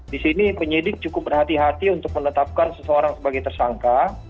di sini penyidik cukup berhati hati untuk menetapkan seseorang sebagai tersangka